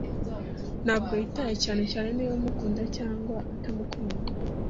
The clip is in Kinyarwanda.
ntabwo yitaye cyane cyane niba amukunda cyangwa atamukunda.